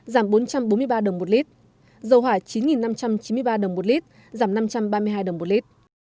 dầu hỏa chín năm trăm chín mươi ba đồng một lít giảm năm trăm ba mươi hai đồng một lít